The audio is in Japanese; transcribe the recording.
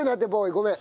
ごめん。